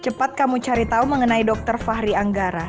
cepat kamu cari tahu mengenai dr fahri anggara